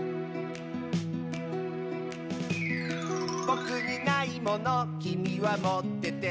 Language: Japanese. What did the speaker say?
「ぼくにないものきみはもってて」